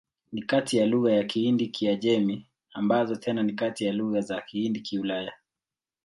Ni kati ya lugha za Kihindi-Kiajemi, ambazo tena ni kati ya lugha za Kihindi-Kiulaya.